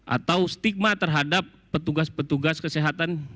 atau stigma terhadap petugas petugas kesehatan